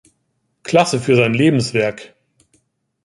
Klasse für sein Lebenswerk.